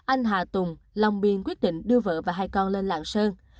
anh hà tùng long biên quyết định đưa vợ và hai con lên lạng sơn